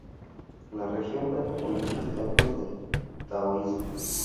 La región cuenta con muchos templos del taoísmo.